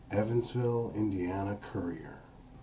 _Evansville (Ind.) Courier.